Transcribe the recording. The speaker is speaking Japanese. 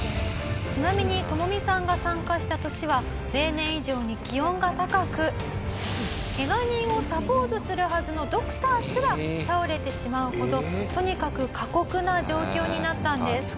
ちなみにトモミさんが参加した年は例年以上に気温が高くけが人をサポートするはずのドクターすら倒れてしまうほどとにかく過酷な状況になったんです。